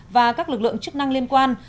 và các lực lượng chức năng liên quan